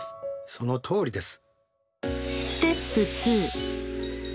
そのとおりです。